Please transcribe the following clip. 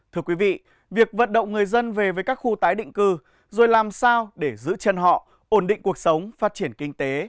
thưa quý vị việc vận động người dân về với các khu tái định cư rồi làm sao để giữ chân họ ổn định cuộc sống phát triển kinh tế